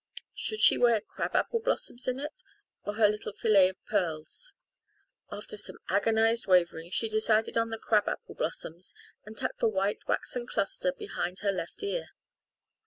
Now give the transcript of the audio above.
Should she wear crab apple blossoms in it, or her little fillet of pearls? After some agonised wavering she decided on the crab apple blossoms and tucked the white waxen cluster behind her left ear.